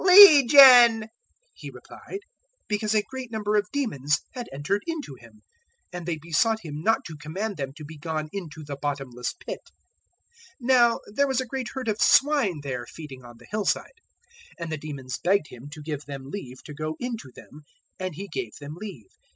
"Legion," he replied because a great number of demons had entered into him; 008:031 and they besought Him not to command them to be gone into the Bottomless Pit. 008:032 Now there was a great herd of swine there feeding on the hill side; and the demons begged Him to give them leave to go into them, and He gave them leave.